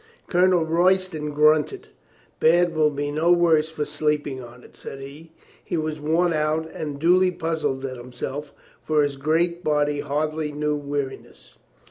Colonel Royston grunted. "Bad will be no worse for sleeping on it," said he. He was worn out and dully puzzled at himself, for his great body hardly knew weariness.